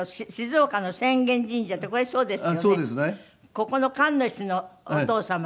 ここの神主のお父様が。